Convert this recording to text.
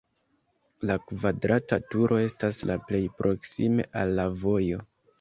La kvadrata turo estas la plej proksime al la vojo.